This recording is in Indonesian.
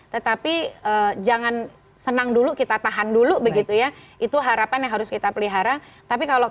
tetapi jangan senang dulu kita tahan dulu begitu ya itu harapan yang harus kita pelihara tapi kalau